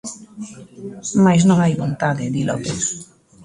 Mais non hai vontade, di López.